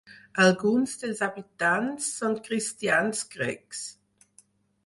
Alguns dels habitants són cristians grecs.